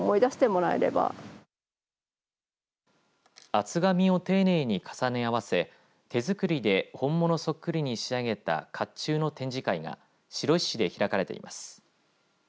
厚紙を丁寧に重ね合わせ手作りで本物そっくりに仕上げたかっちゅうの展示会が白石市で開かれています。